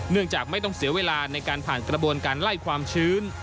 จากไม่ต้องเสียเวลาในการผ่านกระบวนการไล่ความชื้น